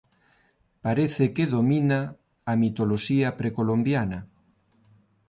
Parece que domina a mitoloxía precolombiana.